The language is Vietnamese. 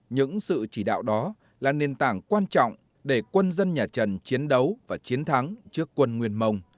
những sự chỉ đạo đó là nền tảng quan trọng để quân dân nhà trần chiến đấu và chiến thắng trước quân nguyên mông